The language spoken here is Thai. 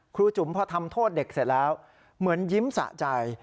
จุ๋มพอทำโทษเด็กเสร็จแล้วเหมือนยิ้มสะใจ